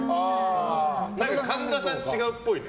神田さん、違うっぽいね？